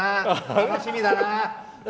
楽しみだな。